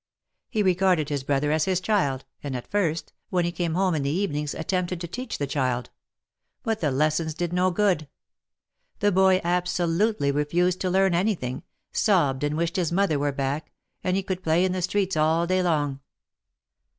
He regarded his brother as his child, and at first, when he came home in the evenings, attempted to teach the child; but the lessons did no good. H'he boy absolutely refused to learn anything, sobbed and wished his mother were back, and he could play in the streets all day long.